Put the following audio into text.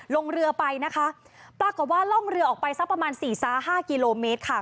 ลงเรือไปนะคะปรากฏว่าล่องเรือออกไปสักประมาณสี่ห้ากิโลเมตรค่ะ